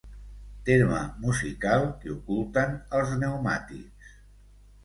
Terme musical que oculten els pneumàtics.